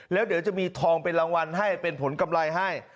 แล้วเดี๋ยวจะมีทองเป็นรางวัลให้เป็นผลกำไรให้